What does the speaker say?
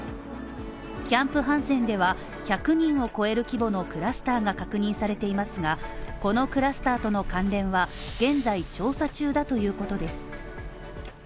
キャンプ・ハンセンでは１００人を超える規模のクラスターが確認されていますが、このクラスターとの関連は現在調査中だということです。